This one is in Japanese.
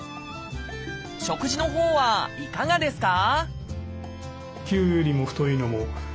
食事のほうはいかがですか？